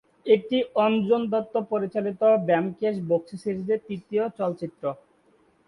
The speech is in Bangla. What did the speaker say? এটি অঞ্জন দত্ত পরিচালিত ব্যোমকেশ বক্সী সিরিজের তৃতীয় চলচ্চিত্র।